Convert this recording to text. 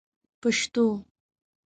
پشتو